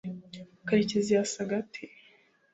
karekezi yasaga ate